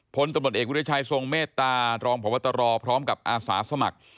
พลตำรวจเอกวิทยาชัยทรงเมตตารองพบตรพร้อมกับอาสาสมัคร